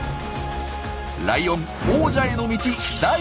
ライオン王者への道第２弾！